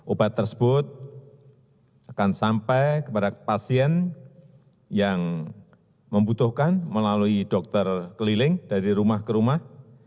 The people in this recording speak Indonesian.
obat tersebut akan sampai kepada pasien yang membutuhkan melalui dokter keliling dari rumah ke rumah